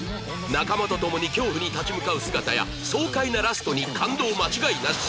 仲間とともに恐怖に立ち向かう姿や爽快なラストに感動間違いなし！